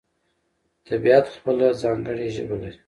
طبیعت خپله ځانګړې ژبه لري.